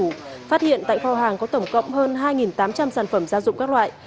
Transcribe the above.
phát hiện tại kho hàng có tổng cộng hơn hai tám trăm linh sản phẩm gia dụng các loại